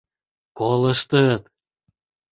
Колыштыт...